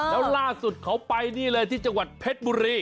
แล้วล่าสุดเขาไปนี่เลยที่จังหวัดเพชรบุรี